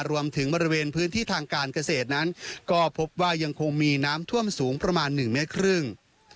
บริเวณพื้นที่ทางการเกษตรนั้นก็พบว่ายังคงมีน้ำท่วมสูงประมาณ๑เมตรครึ่ง